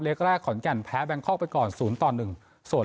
เลขแรกขนแก่นแพ้แบงค็อกไปก่อนศูนย์ต่อหนึ่งส่วน